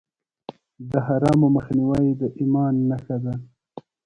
د حرامو مخنیوی د ایمان نښه ده.